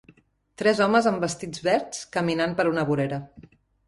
Tres homes amb vestits verds caminant per una vorera.